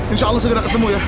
insyaallah segera ketemu ya